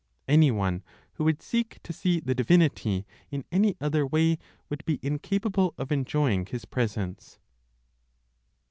Any one who would seek to see the Divinity in any other way would be incapable of enjoying His presence.